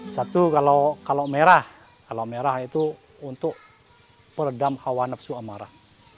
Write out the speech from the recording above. satu kalau merah itu untuk peredam hawa nafsu amarah